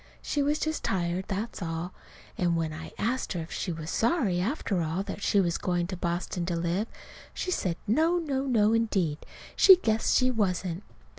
She was just tired; that's all. And when I asked her if she was sorry, after all, that she was going to Boston to live, she said, no, no, no, indeed, she guessed she wasn't.